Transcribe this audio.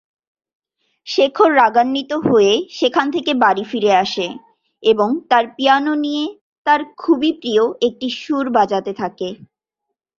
শেখর রাগান্বিত হয়ে সেখান থেকে বাড়ি ফিরে আসে এবং তার পিয়ানো নিয়ে তার খুবই প্রিয় একটি সুর বাজাতে থাকে।